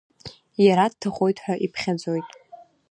Иара дҭахоит ҳәа иԥхьаӡоит.